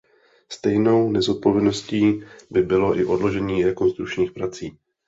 Stejnou nezodpovědností by bylo i odložení rekonstrukčních prací.